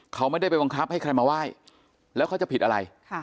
เขาไม่ได้ไปบังคับให้ใครมาไหว้แล้วเขาจะผิดอะไร